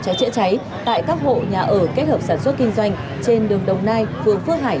cháy chữa cháy tại các hộ nhà ở kết hợp sản xuất kinh doanh trên đường đồng nai phường phước hải